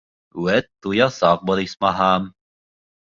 Үәт, туясаҡбыҙ, исмаһам...